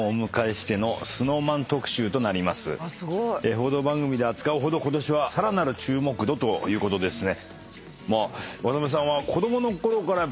報道番組で扱うほどことしはさらなる注目度ということですね。